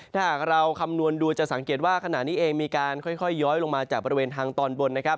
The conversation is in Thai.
ถ้าหากเราคำนวณดูจะสังเกตว่าขณะนี้เองมีการค่อยย้อยลงมาจากบริเวณทางตอนบนนะครับ